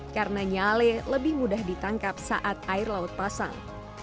karena nyale lebih mudah ditangkap saat air laut pasang